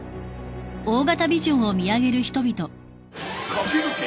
駆け抜け！